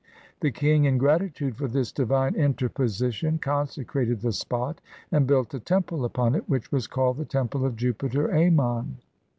The king, in gratitude for this divine interposition, consecrated the spot and built a temple upon it, which was called the temple of Jupiter Ammon.